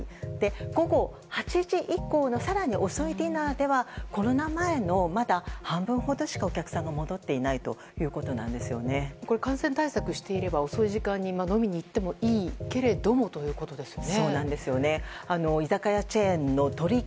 午後８時以降の更に遅いディナーではコロナ前のまだ半分ほどしかお客さんが戻っていない感染対策をしていれば遅い時間に飲みに行ってもいいけれどもということですよね。